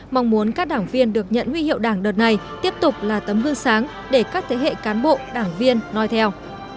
mong muốn các đảng viên được nhận huy hiệu đảng đợt này tiếp tục là tấm gương sáng để các thế hệ cán bộ đảng viên nói theo